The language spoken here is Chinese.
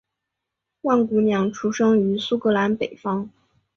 万姑娘出生于苏格兰北方。